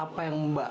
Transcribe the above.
apa yang mbak